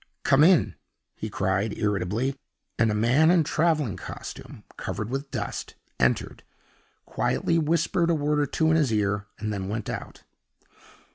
"Come in," he cried, irritably; and a man in traveling costume, covered with dust, entered, quietly whispered a word or two in his ear, and then went out.